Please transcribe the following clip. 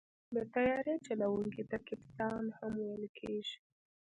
د طیارې چلوونکي ته کپتان هم ویل کېږي.